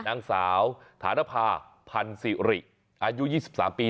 นางสาวฐานภาพันสิริอายุ๒๓ปี